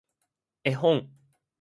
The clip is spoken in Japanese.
絵本